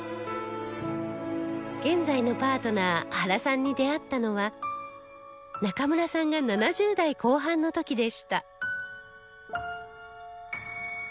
現在のパートナー原さんに出会ったのは中村さんが７０代後半の時でした